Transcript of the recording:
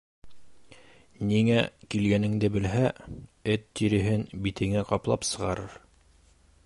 Ниңә килгәнеңде белһә, эт тиреһен битеңә ҡаплап сығарыр.